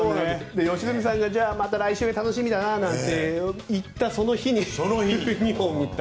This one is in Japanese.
良純さんがまた来週楽しみだなんて言ったその日に２本打った。